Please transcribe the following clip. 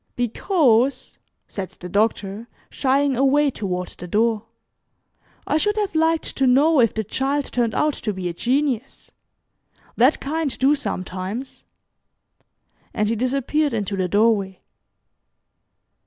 "Because," said the Doctor, shying away toward the door, "I should have liked to know if the child turned out to be a genius. That kind do sometimes," and he disappeared into the doorway.